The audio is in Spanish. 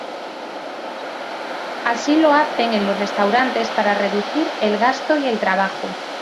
Así lo hacen el los restaurantes para reducir el gasto y el trabajo.